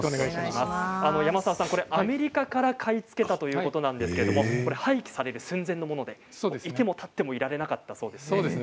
アメリカから買い付けたということなんですけれども廃棄される寸前のもので、いてもたってもいられなかったそうですね。